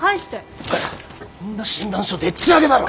こんな診断書でっちあげだろ！